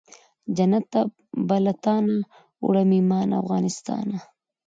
جنت ته به له تانه وړم ایمان افغانستانه